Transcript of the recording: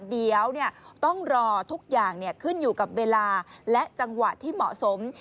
เดี๋ยวต้องรอทุกอย่างขึ้นอยู่กับเวลาและจังหวะที่เหมาะสม